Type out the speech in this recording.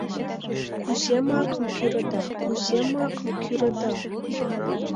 Кузе макым кӱрыда, кузе макым кӱрыда?